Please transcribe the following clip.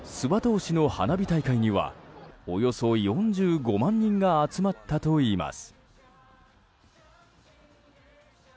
市の花火大会にはおよそ４５万人が集まったといいます。